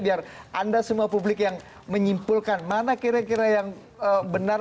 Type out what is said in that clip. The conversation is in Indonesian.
biar anda semua publik yang menyimpulkan mana kira kira yang benar